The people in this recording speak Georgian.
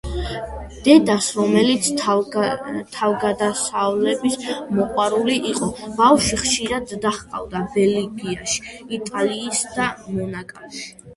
დედას, რომელიც თავგადასავლების მოყვარული იყო, ბავშვი ხშირად დაჰყავდა ბელგიაში, იტალიასა და მონაკოში.